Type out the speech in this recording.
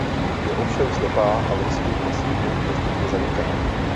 Je ovšem slepá a v lesním masívu postupně zaniká.